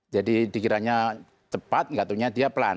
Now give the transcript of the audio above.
jadi dikiranya cepat katanya dia pelan